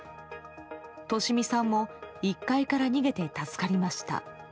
利美さんも１階から逃げて助かりました。